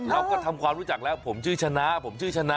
เราก็ทำความรู้จักแล้วผมชื่อชนะผมชื่อชนะ